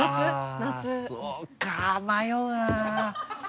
あっそうか迷うな。